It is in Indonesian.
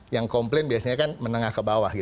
yang komplain biasanya kan menengah ke bawah